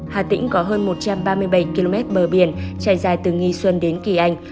hà tĩnh có hơn một trăm ba mươi bảy km bờ biển trải dài từ nghi xuân đến kỳ anh